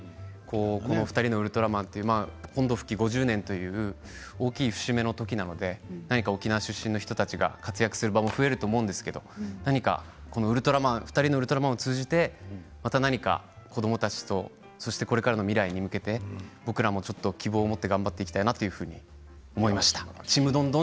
しかも朝ドラもやっていますし「ふたりのウルトラマン」という本土復帰５０年という大きい節目のときなのでなにか沖縄の人たちが活躍する場も増えると思うんですけれどもこの「ふたりのウルトラマン」を通じてまた何か子どもたちと、そしてこれからの未来に向けて僕らも希望を持って頑張っていきたいなと思いました。